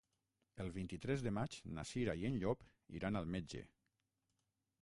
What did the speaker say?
El vint-i-tres de maig na Cira i en Llop iran al metge.